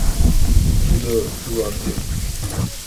Тудо тулартен.